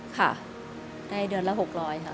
ค่ะได้เดือนละ๖๐๐ค่ะ